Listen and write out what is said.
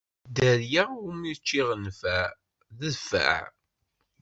Dderya iwumi ur ččiɣ nnfeɛ, dfeɛ!